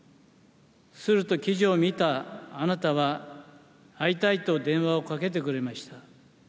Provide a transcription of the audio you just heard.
すると記事を見たあなたは、会いたいと電話をかけてくれました。